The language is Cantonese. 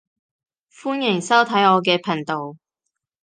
歡迎收睇我嘅頻道